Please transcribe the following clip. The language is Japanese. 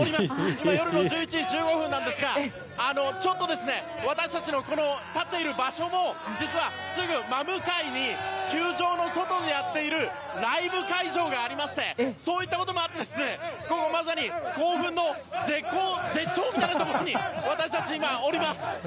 今、夜の１１時１５分なんですがちょっと私たちの立っている場所も実はすぐ真向かいに球場の外でやっているライブ会場がありましてそういったこともあってまさに興奮の絶頂みたいなところに私たちは今、おります。